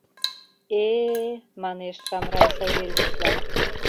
— Э-э, — манеш Шамрай Савельевлан.